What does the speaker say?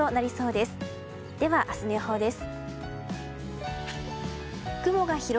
では、明日の予報です。